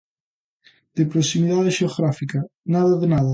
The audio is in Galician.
De proximidade xeográfica nada de nada.